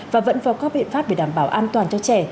và vẫn có các biện pháp để đảm bảo an toàn cho trẻ